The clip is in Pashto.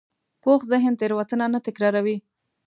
پوخ ذهن تېروتنه نه تکراروي